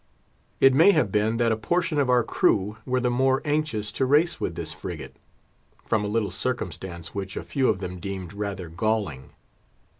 It may have been that a portion of our crew were the more anxious to race with this frigate, from a little circumstance which a few of them deemed rather galling.